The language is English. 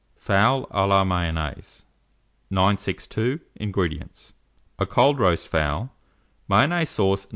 FOWL A LA MAYONNAISE. 962. INGREDIENTS. A cold roast fowl, Mayonnaise sauce No.